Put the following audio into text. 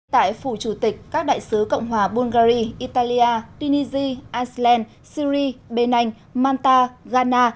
tại phủ chủ tịch các đại sứ cộng hòa bulgari italia tunisia iceland syri bên anh manta ghana